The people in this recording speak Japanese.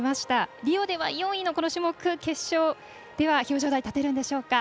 リオでは４位のこの種目決勝では表彰台に立てるんでしょうか。